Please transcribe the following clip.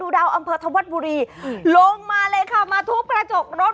ดาวอังพธวรรษบุรีลงมาเลยค่ะมาทุกประจกรถ